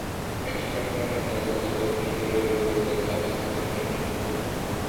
চট্টগ্রামের হাটহাজারীর ফতেপুরে মঙ্গলবার দিবাগত রাতে ডাকাত সন্দেহে গণপিটুনিতে দুই ব্যক্তি নিহত হয়েছেন।